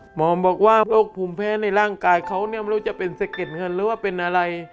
หมอบอกว่าโรคภูมิแพ้ในร่างกายเขาเนี่ยไม่รู้จะเป็นสะเก็ดเงินหรือว่าเป็นอะไร